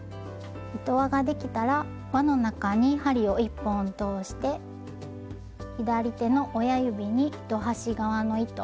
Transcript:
糸輪ができたら輪の中に針を１本通して左手の親指に糸端側の糸